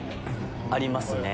ありますね。